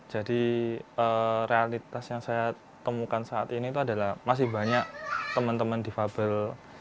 jadi realitas yang saya temukan saat ini adalah masih banyak teman teman difabel